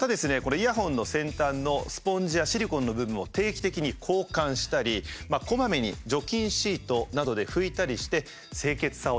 イヤホンの先端のスポンジやシリコンの部分を定期的に交換したりこまめに除菌シートなどで拭いたりして清潔さを保ってくださいと。